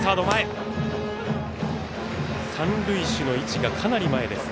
三塁手の位置がかなり前です。